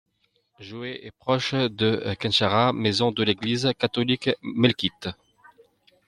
Jouar est proche de Khenchara, maison de l'Église catholique melkite.